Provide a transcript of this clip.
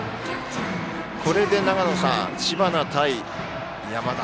これで長野さん知花対山田。